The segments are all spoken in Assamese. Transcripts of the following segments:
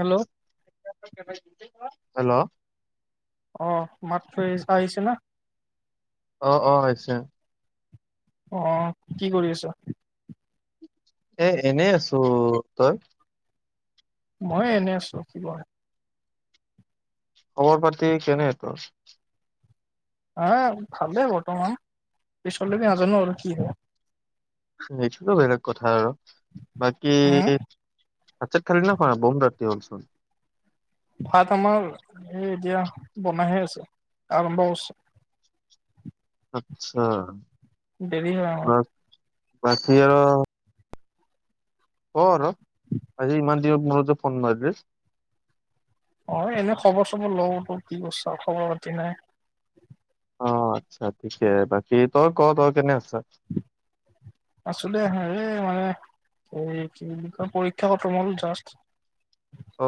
Hello [inaudible] hello? অ, মাতটো ইয়েচ আহিছে নে? অ, অ, হৈছে। অ, কি কৰি আছ? এ, এনেই আছো তই? মইে এনে, আছো কি খবৰ পাতি, কেনে তোৰ? হ, ভালেই বৰ্তমান, পিছলৈকে নাজানো আৰু কি হয়। এইটোতো বেলেগ কথা আৰু বাকী উম ভাত- চাত খালি নে, খোৱা নাই বম ৰাতি হ'লচোন। ভাত আমাৰ এই, এতিয়া বনাইহে আছে আৰম্ভ হৈছে। আচ্ছা, দেৰি হয়, আমাৰ। বাকি আৰু অ, আৰু আজি ইমান দিনত মোৰত যে ফোন মাৰলি। অ, এনে খবৰ-চবৰ লও বোলো কি কৰিছ, খবৰ পাতি নাই। অ আচ্ছা ঠিকে, বাকি তই ক, তই কেনে আছে? আছো, দে মানে এই কি বুলি কয়, পৰীক্ষা খতম হ'ল জাষ্ট।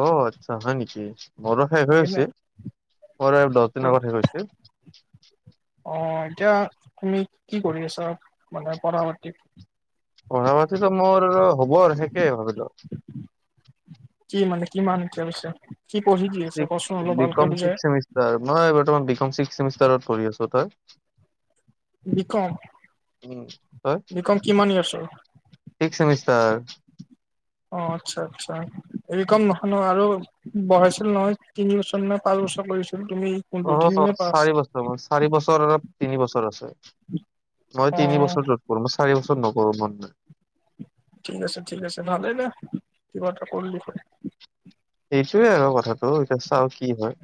অ, আচ্ছা হয় নেকি, মোৰো শেষহে সেইকাৰণে হৈছে মোৰ দহ দিনৰ আগত শেষ হৈছে। অ, এতিয়া তুমি কি কৰি আছা, মানে পঢ়া-পাতি? পঢ়া পাতিটো মোৰ হ'ব আৰু শেষে হবতো কি মানে, কিমান এতিয়া পিছে কি পঢ়ি কি আছে, কচোন অলপ বি ভালকে কম ছিক্স বুজাই। চেমিষ্টাৰ মই বৰ্তমান বি, কম, ছিক্স চেমিষ্টাৰত পঢ়ি আছো, তই? বিকম, উম বিকম, কিমান ইয়াৰ্ছৰ? Six, semester. অ, আচ্ছা, আচ্ছা, হেৰিকম নহয় ন, আৰু বহাইছিল নহয়, তিনি বছৰ নে পাঁচ বছৰ কৰিছিল তুমি কোনটো তিনি অ, নে পাঁচ চাৰি বছৰ, মান চাৰি বছৰ অ, তিনি বছৰ আছে। মই অ তিনি বছৰ ত'ত কৰো, মই চাৰি বছৰত নকৰো মন নাই। ঠিক আছে ঠিক আছে ভালে দে কিবা এটা কৰলি হয়। সেইটোয়ে আৰু কথাটো এতিয়া চাও কি হয়।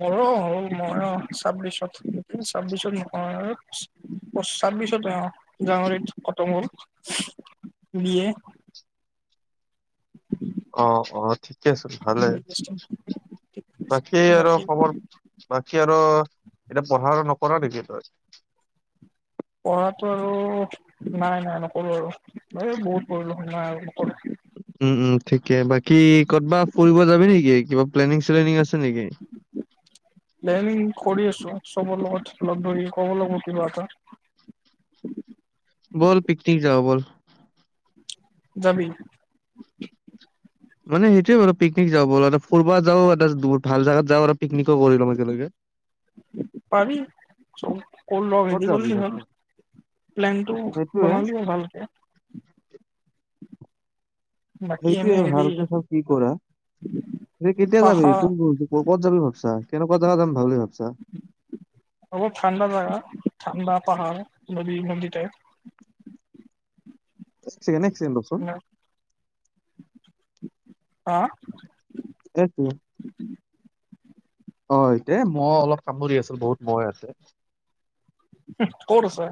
মোৰো হ'ল মইয় ছাব্বিশত ছাব্বিশত মই [unintelligible] ছাব্বিশতে অ জানুৱাৰীত কতম হ'ল বি এ। অ অ ঠিকে আছে ভালে, বাকী আৰু খবৰ বাকী আৰু এতিয়া পঢ়া আৰু নকৰা নেকি তই? পঢ়াটো আৰু নাই নাই নকৰো আৰু এই বহুত পৰিলো নাই আৰু নকৰো। উম উম ঠিকে বাকী ক'তবা ফুৰিব যাবি নেকি কিবা প্লেনিং চলেনিং আছে নেকি? প্লেনিং কৰি আছো চবৰ লগত লগ ধৰি ক'ব লগ কিনো এটা। বল পিকনিক যাওঁ বল। যাবি? মানে সেইটোৱে বাৰ পিকনিক যাওঁ বাৰু ফুৰবা যাওঁ এটা ভাল জাগাত যাওঁ আৰ পিকনিকো কৰি লম একেলগে। পাবি ক'ত যাবি তই? [unintelligible] প্লেনটো সেইটোয়ে বনালি হ'ল ভালকে। বাকী এনে সেইটোৱে হেৰি ভালকে চব কি কৰা? এই কেতিয়া যাবি পাহাৰ কোন ক'ত যাবি ভাবছা কেনেকুৱা জাগা যাম বুলি ভাবছা? অলপ ঠাণ্ডা জাগা ঠাণ্ডা পাহাৰ নদী, নদী টাইপ। [unintelligible] হা? সেটোৱে অ ইতে মই অলপ কাম কৰি আছো বহুত বয় আছে। হুহ, ক'ত আছে?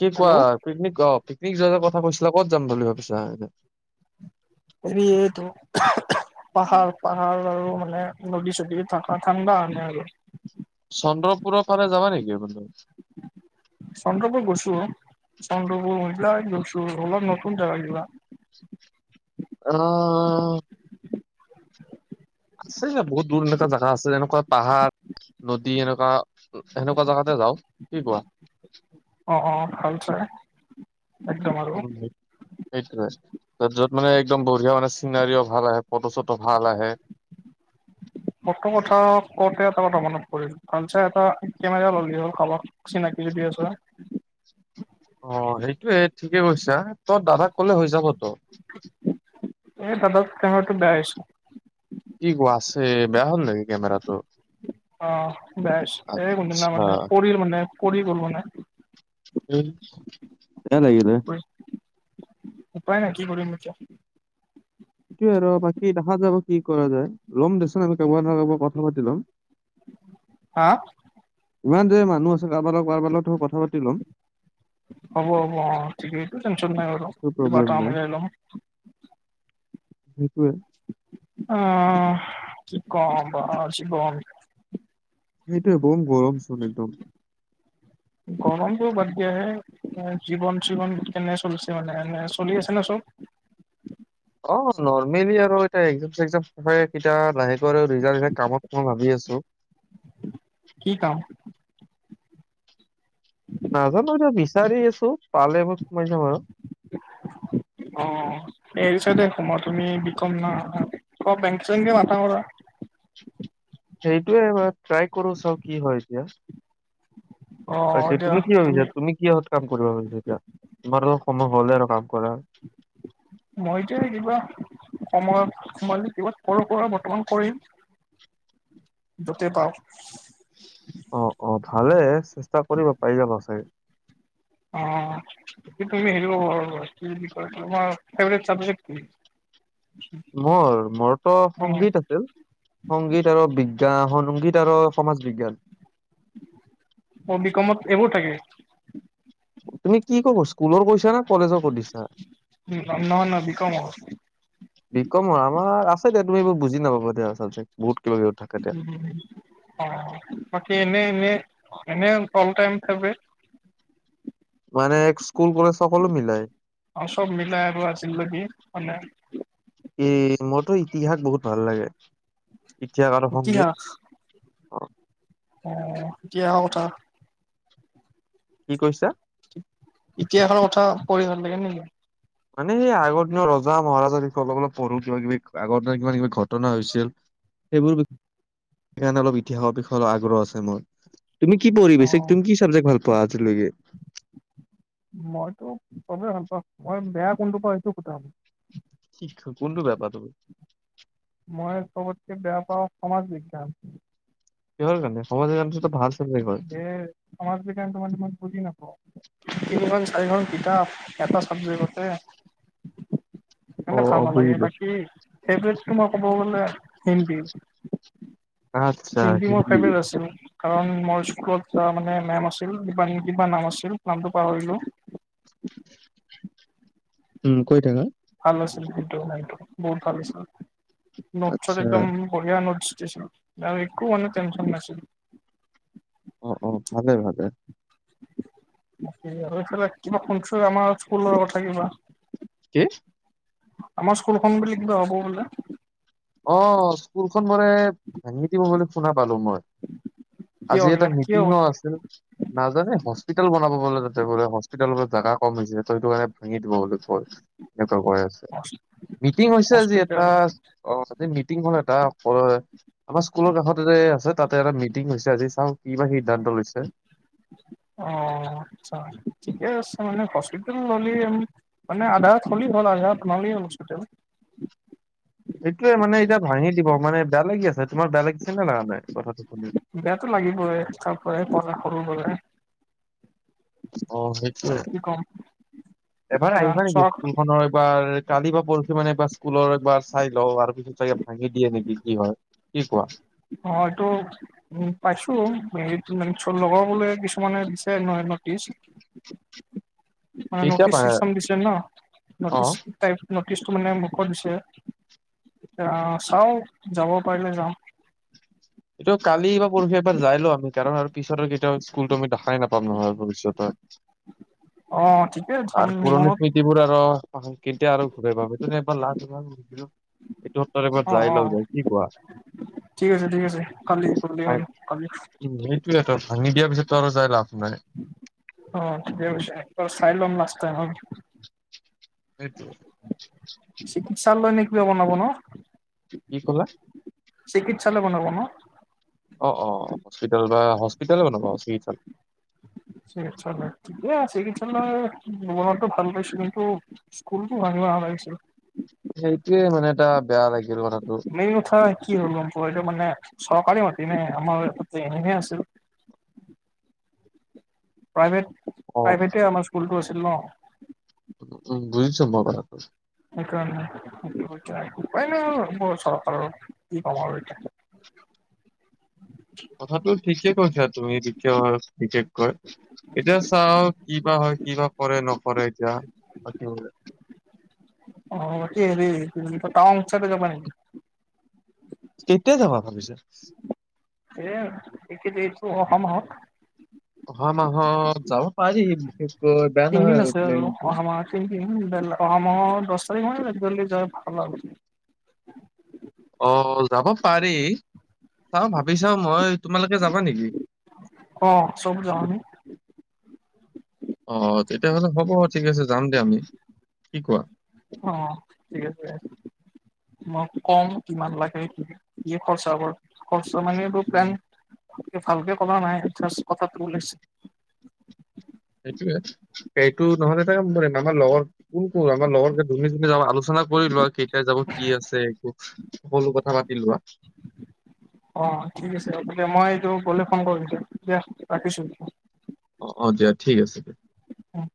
কি কোৱা হেল্ল' পিকনিক অ পিকনিক যোৱা কথা কৈছিলা ক'ত যাম বুলি ভাবিছা এনে? হেৰি এইটো পাহাৰ পাহাৰ আৰু মানে নদী চদী থাকা ঠাণ্ডা হেনে আৰু। চন্দ্ৰপুৰৰ ফালে যাবা নেকি [unintelligible] চন্দ্ৰপুৰ গৈছো অ, চন্দ্ৰপুৰ মহিলা গৈছো অলপ নতুন জেগাত কিবা? আহ। আছে বহুত দূৰ এনেকুৱা জেগা আছে যেনেকুৱা পাহাৰ নদী এনেকুৱা সেনেকুৱা জাগাতে যাও কি কোৱা? অহ অহ ভাল চাই। একদম আৰু [unintelligible] সেইটোয়ে য'ত মানে একদম বঢ়িয়া মানে চিনাৰিও ভাল আহে ফটো চটো ভাল আহে। ফটো কথা কওঁতে এটা কথা মনত পৰিল ভাল চাই এটা কেমেৰা ললি হ'ল কাবাক। চিনাকি যদি আছে। অহ সেইটোয়ে ঠিকে কৈছা তৰ দাদাক ক'লে হৈ যাব ত। এ দাদাক কেমেৰাটো বেয়া হৈছে। কি কোৱা আছে বেয়া হ'ল নেকি কেমেৰাটো? অহ বেয়া হৈছে এই কোনদিনা আচ্ছা মানে পৰিল মানে পৰি গ'ল মানে। এই বেয়া লাগিলে। উপায় নাই কি কৰিম এতিয়া। সেইটোয়ে আৰু বাকি দেখা যাব কি কৰা যায় ল'ম দেচোন আমি কাৰোবাৰ কাৰোবাক কথা পাতি ল'ম। হা? ইমান যে মানুহ আছে কাৰোবা কাৰোবা লগতো কথা পাতি ল'ম। হ'ব হ'ব অহ ঠিকেই টেনচন নাই বাৰু। একো কিবা এটা প্ৰব্লেম নাই, মিলাই ল'ম সেইটোৱে। অহ কি কম। গৰম হৈছে গৰম। সেইটো বম গৰম চোন একদম। গৰমটোও বাদ দিয়া হে। জীৱন চীৱন কেনে চলিছে মানে এনে চলি আছে না চব? অহ, নৰ্মেলি আৰু এতিয়া একজাম চেকজাম হ'ব এ লাহেকৈ আৰু ৰিজাল্ট কামত মই ভাবি আছো। কি কাম? নাজানো এতিয়া বিচাৰি আছো। পালে মই সোমাই যাম আৰু। অ হেৰি চাইদে সোমা তুমি বিকম না বেংকে চেংকে মাথা মাৰা। সেইটোয়ে হয় ট্ৰাই কৰো চাও কি হয় এতিয়া। এতিয়া তুমি কি ভাবিছা? তুমি- কিহত কাম কৰিবা ভাবিছা? এতিয়া তোমাৰো সময় হ'লে আৰু কাম কৰাৰ। মইটো এনেকুৱা- সময়ত সোমালি কিবা সৰুৰ পৰা বৰ্তমান কৰিম। যতে পাও। অহ অহ ভালে চেষ্টা কৰিবা পাই যাবা চাগে। অহ তুমি হেৰি কৰ্বা পাৰিবা। এই কি বুলি কয় তোমাৰ ফেভৰেক্ত চাবজেক্ট কি? [unintelligible] মোৰ মোৰ তো অ', সংগীত আছিল। সংগীত আৰু বিজ্ঞান সংগীত আৰু সমাজ বিজ্ঞান। অ বিকমত এইবোৰ থাকে। তুমি কি কব স্কুলৰ কৈছা না কলেজৰ সুধিছা? উম নহয় নহয় বিকমৰ? বিকমৰ, আমাৰ আছে দিয়া তুমি এইবোৰ বুজি নাপাবা দিয়া আচলতে বহুত কিবা কিবি থাকে তাত। [unintelligible] অহ বাকী এনে এনে এনে অলটাইম ফেভৰেট? [unintelligible] মানে স্কুল কলেজ সকলো মিলায়। অ চব মিলাই এইবোৰ আছিল নেকি? মানে- এ মোৰতো ইতিহাস বহুত ভাল লাগে। ইতিহাস আৰু সংগীত। ইতিহাস অ', অ ইতিহাসৰ কথা। কি কৈছা? ইতিহাসৰ কথা পঢ়ি ভাল লাগে নেকি? মানে আগৰ দিনৰ ৰজা মহাৰাজাৰ বিষয়ে অলপ পঢ়ো কিবা কিবি আগৰ দিনৰ কিবা কিবি ঘটনা হৈছিল। সেইবোৰ বি সেই কাৰণে অলপ ইতিহাসৰ বিষয়ে আগ্ৰহ আছে মোৰ। তুমি কিঢ়ি অ', তুমি কি ছাবজেক্ট ভাল পোৱা আজৈকে? মইতো চবেই ভাল পাওঁ। মই বেয়া কোনটো পাওঁ এইটো সোধা? কি কোনটো বেয়া পোৱা তুমি? মই চবতকে বেয়া পাওঁ সমাজ বিজ্ঞান। সহৰ কাৰণে সমাজ বিজ্ঞানতো ভাল। চাবজেক্ট হয়। এ সমাজ বিজ্ঞানতো মানে মই বুজি নাপাওঁ। তিনিখন চাৰিখন কিতাপ এটা চাবজেক্টতে। সে কাৰণে অ', অ', ভাল নালাগে। বুজিলো। বাকী ফেৱৰেতটো মই ক'ব গ'লে হিন্দী। আচ্ছা হিন্দী মোৰ ফেভৰেট আছিল। কাৰণ মোৰ স্কুলত মানে মেম আছিল ক কিবা নাম আছিল নামটো পাহৰিলোঁ। উম কৈ থাকা। ভালো শিল্পী এইটো নাই এইটো বহুত ভাল শিল্পী নচত আচ্ছা একদম। বহিয়া নষ্ট দিছোঁ আৰু একো কাৰণে টনশন নাইছিল। অ অ ভালে ভালে। ফালে কিবা শুছ আমাৰ স্কুলৰ কথা কিবা। কি? আমাৰ স্কুলখন বুলি কিবা হ'ব বোলে। অ স্কুলখন বোৰে ভাঙি দিব বুলি শুনা পালো মই। কিয় আজি বোলে এটা কিয় মিটিঙও আছিল। নাজানে হস্পিতেল বনাব বলে তাতে বোলে হস্পিতেল জাগা কম হৈ হৈছেে ত সটো কাৰণে ভাঙি দিব বুলি ক'ল। এনেকুৱা ক আছে মিটিং হৈছে আজি হস্পিটেল এটা। অ আজি মিটিংখন এটা অ। আমাৰ স্কুলৰ কাষত এ আছে তাতে এটা মিটিং হৈছে আজি চাও কি বা সিদ্ধান্ত লৈছে। অ আচ্ছা ঠিকে আছে মানে হস্পিতেল হ'লে। মান আধাৰ খলি থ আধাৰ। এইটোয়ে মানে এতিয়া ভাঙি দিব মানে বেলেগি আছেমাৰ বেলেগ দিছে নে নানে কথাটো শুনি। বেয়াতটো লাগিবই তাৰ পৰা পা সৰু পৰা। অ সেইটোয়ে কি ক'ম এবাৰ এতিয়া আহিবা নেকি। চখ নৰ এইবাৰ কালি বা পৰি মানে এইবাৰ স্কুলৰ এবাৰ চাই লওঁ আৰু পিছত চাগে। ভাঙিদিয়ে নেকি কি হয় কি কোৱা? অটো। উম পাইছো হে লগৰ বোলে কিছুমানে দিছে নহয় নটিচ। মানে কেতিয়া নটিছ পাৰে চিম দিছে ন অ নটিছ। টাইপ ন'টিচটো মানে মুখত দিছে চাওঁ যাব পাৰিলে যাওঁ। এইটো কালি বা পৰহি এবাৰ যাই লও আমি কাৰণ আৰু পিছতৰ কেতিয়াও স্কুলতো আমি দেখাই নাপাম নহয়। ভৱিষ্যতে অ ঠিকে যাম আৰু মনত পুৰণি। কি বোৰ আৰু কেয়া আৰু ঘূ পাব সেইটোবাৰ লা। এইটো সত্তৰবাৰ অ যাই অ লওঁ য কি কোৱা। ঠিক আছে ঠিক আছে কালি কি ভাই, হ'লো কালি। উম সেইটোয় তো ভাঙি দিয়াৰ পিছতো আৰু যাই লাভ নাই। অ ঠিকে কইছে চাই লম লাষ্ট্ত। সেইটোৱে। চিকিৎসাল লৈ নে কিবা বনাব ন কি কলা? চিকিৎসালয় বনাব ন অ ', অ ', হস্পিটেল বা হস্পিতেলে বনাবা চিকিৎসালয় চিকিৎসালয় ঠিক চিকিৎসালয় বমতটো ভাল পাইছো কিন্তু স্কুলতো ভাবিব ভাল লাগিছিল সেইটোৱে মানে এটা বেয়া লাগিছিল কথাটো মেইন কথা কি হ'ল আ এইটো মানে চৰকাৰে মাতিমে আমাৰ এনেে আছিল প্ৰাইভেট অ', প্ৰাইভেটে আমাৰ স্কুলটো আছিল ন উম বুজিছো মই বাৰো সেইকাৰণে স এতি উপ উপায় ন চৰকাৰৰ কি কাম আৰু এতিয়া কথাটো ঠিকে কৈছা তুমি বিশেষ কৈ এতিয়া চাওঁ কিবা হয় কিবা কৰে নকৰে এতিয়া? অঁ' বাকি হেৰি কি বুলি কয় টাওন চাইডে যাবা নেকি? কেতিয়া যাবা ভাবিছা? এ এইকেদিনটো অহামাহত। অহা মাহত যাব পাৰি বিষেষকৈ বেয়া তিনিদিন নহয় আছে আৰু অহা প্লেনিংটো। মাহৰ অহা মাহৰ দশ তাৰিখ মানে যযি যাই ভাল আৰু। অ' যাব পাৰি, চাওঁ ভাবি চাওঁ মই, তোমালোকে যাবা নেকি? অঁ' চব যাম আমি। অঁ' তেতিয়াহ'লে হ'ব ঠিক আছে যাম দে আমি, কি কোৱা? অঁ' ঠিক আছে। মই কম কিমান লাগে কি? কি খৰচা কৰ- খৰছা মানে এইবোৰ প্লেন ভালকে কৰা নাই যাষ্ট কঠাটো ওলাইছে। সেইটোৱে, এইটো নহলে তাই আমাৰ লগৰ- কোন কোন আমাৰ লগৰ যে যোনে যোনে যাব আলোচনা কৰি লয় কেইটা যাব কি আছে একো- সকলো কথা পাতি লোৱা। অঁ' ঠিক আছে হ'ব দিয়া, মই এইটো গ'লে ফোন কৰম দিয়া দিয়া ৰাখিছো। অঁ, অঁ, দিয়া ঠিক আছে দিয়া। অঁ'